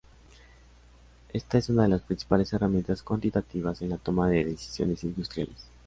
Esta es una de las principales herramientas cuantitativas en la toma de decisiones industriales.